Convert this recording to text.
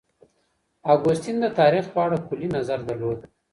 اګوستين د تاريخ په اړه کلي نظر درلود.